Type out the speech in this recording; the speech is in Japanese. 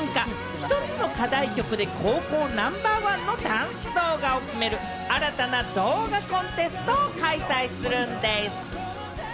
１つの課題曲で、高校ナンバーワンのダンス動画を決める、新たな動画コンテストを開催するんでぃす。